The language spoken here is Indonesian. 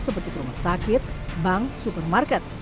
seperti kerumah sakit bank supermarket